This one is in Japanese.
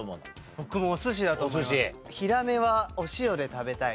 僕もお寿司だと思います。